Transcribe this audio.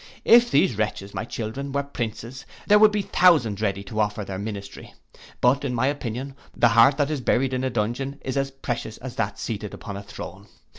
If these wretches, my children, were princes, there would be thousands ready to offer their ministry; but, in my opinion, the heart that is buried in a dungeon is as precious as that seated upon a throne.